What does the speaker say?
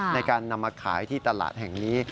ในการนำมาขายที่ตลาดแห่งนี้